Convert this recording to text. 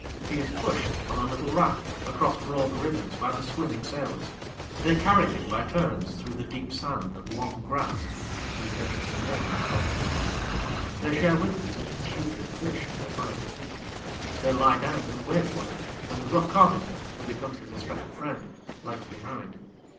He is pushed, on a little raft, across broad rivers by the swimming sailors; they carry him by turns through the deep sand and long grass (he patiently walking at all other times); they share with him such putrid fish as they find to eat; they lie down and wait for him when the rough carpenter, who becomes his especial friend, lags behind.